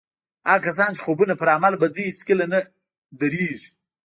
هغه کسان چې خوبونه پر عمل بدلوي هېڅکله نه درېږي.